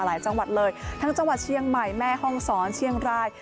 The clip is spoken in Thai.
จังหวัดเลยทั้งจังหวัดเชียงใหม่แม่ห้องศรเชียงราย